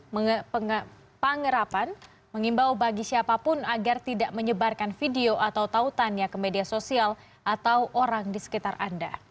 mengepangerapan mengimbau bagi siapapun agar tidak menyebarkan video atau tautannya ke media sosial atau orang di sekitar anda